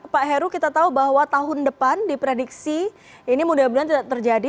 pak heru kita tahu bahwa tahun depan diprediksi ini mudah mudahan tidak terjadi